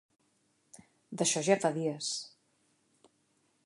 D'això ja fa dies.